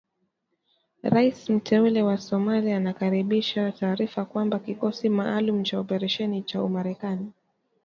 Rais mteule wa Somalia anakaribisha taarifa kwamba, kikosi maalum cha operesheni cha Marekani.